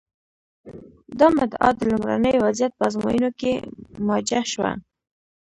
دا مدعا د لومړني وضعیت په ازموینو کې موجه شوه.